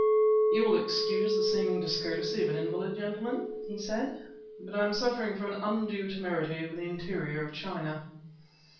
"You will excuse the seeming discourtesy of an invalid, gentlemen?" he said; "but I am suffering from undue temerity in the interior of China!"